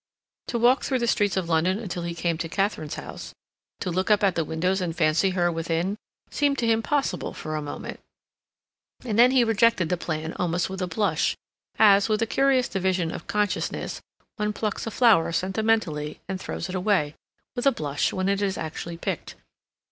To walk through the streets of London until he came to Katharine's house, to look up at the windows and fancy her within, seemed to him possible for a moment; and then he rejected the plan almost with a blush as, with a curious division of consciousness, one plucks a flower sentimentally and throws it away, with a blush, when it is actually picked.